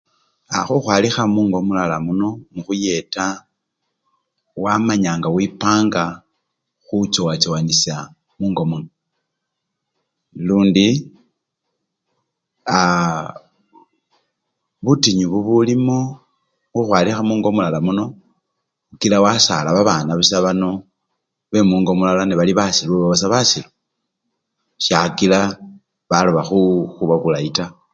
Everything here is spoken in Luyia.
A! khukhwalikha mungo mulala muno mukhuyeta wamanya nga wipanga khuchowachowanisya mungo muno, lundi aa! butinyu bulimo khukhwalikha mungo mulala muno, mukila wasala busa babana bano bemungo mulala nebali basilu, baba busa basilu syakila baloba khu! khuba bulayi taa.